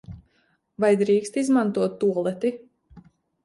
Vai drīkst izmantot tualeti?